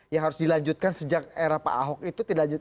yang harus dilanjutkan sejak era pak ahok itu